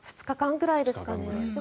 ２日間くらいですかね。